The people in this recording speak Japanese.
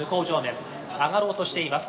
上がろうとしています。